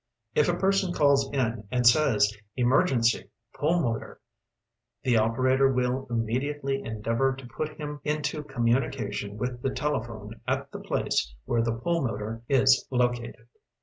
“If a person calls In and says, ‘Emer gency, pulmotor,’ the operator will imme diately endeavor to put him into commun ication with the telephone at the place where the puliuotor Is located.